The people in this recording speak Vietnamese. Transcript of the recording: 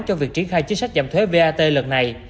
cho việc triển khai chính sách giảm thuế vat lần này